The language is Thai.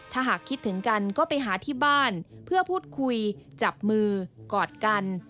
ถ้าหากคิดถึงกันก็ไปหาที่บ้านเพื่อพูดคุยจับมือกอดกัน